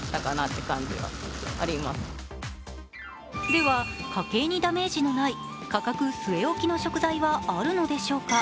では、家計にダメージのない価格据え置きの食材はあるのでしょうか。